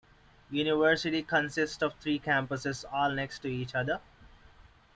University consists of three campuses all next to each other.